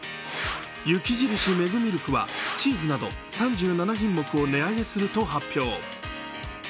雪印メグミルクはチーズなど３７品目を値上げすると発表。